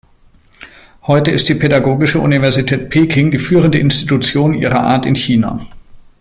Heute ist die Pädagogische Universität Peking die führende Institution ihrer Art in China.